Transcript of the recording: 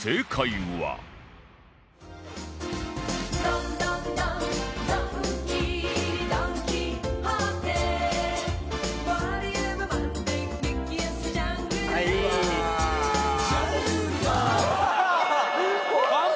はい！